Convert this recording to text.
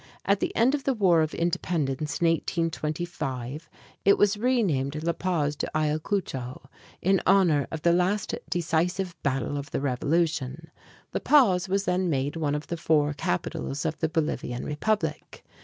At the end of the war of independence, in 1825, it was re named La Paz de Ayacucho, in honor of the last decisive battle of the revolution. La Paz was then made one of the four capitals of the Bolivian republic.